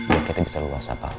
ya kita bisa luas pak